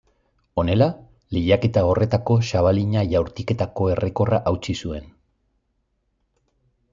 Honela, lehiaketa horretako xabalina jaurtiketako errekorra hautsi zuen.